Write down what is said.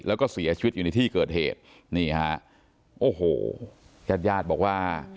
แล้วก็เสียชีวิตอยู่ในที่เกิดเหตุนี่ฮะโอ้โหญาติญาติบอกว่า